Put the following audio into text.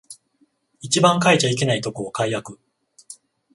一番変えちゃいけないとこを改悪